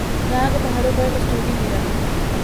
یہاں کے پہاڑوں پر کستوری ہرن